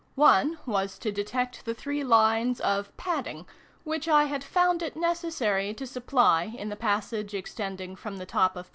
One was, to detect the 3 lines of " padding," which I had found it necessary to supply in the passage extending from the top of p.